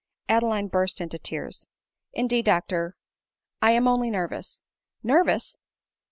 Adeline burst into tears. " Indeed, doctor, I am only nervous." " Nervous